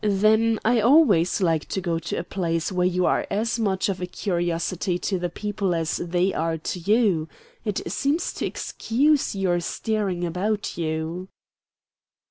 Then I always like to go to a place where you are as much of a curiosity to the people as they are to you. It seems to excuse your staring about you."